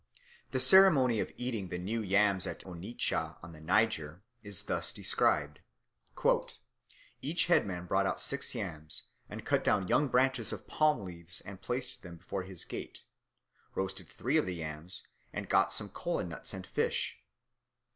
The ceremony of eating the new yams at Onitsha, on the Niger, is thus described: "Each headman brought out six yams, and cut down young branches of palm leaves and placed them before his gate, roasted three of the yams, and got some kola nuts and fish.